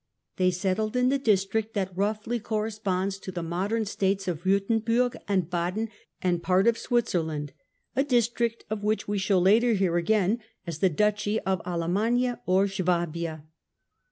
They settled in the district that roughly corresponds to the modern states of \Yurtemburg and Baden and part of Switzerland — a district of which we shall hear again as the Duchy of Alemannia or Suabia.